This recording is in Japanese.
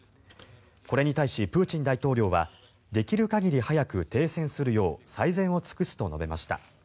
これに対しプーチン大統領はできる限り早く停戦するよう最善を尽くすと述べました。